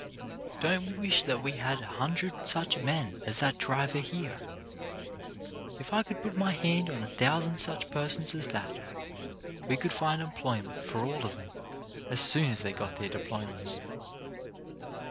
Don't we wish that we had a hundred such men as that driver here ! If I could put my hand on a thousand such persons as that, we could find employment for all of them as soon as they got their diplomas.